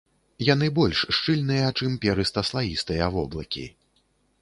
Яны больш шчыльныя, чым перыста-слаістыя воблакі.